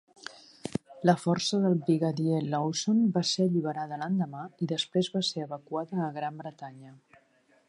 La força del brigadier Lawson va ser alliberada l'endemà i després va ser evacuada a Gran Bretanya.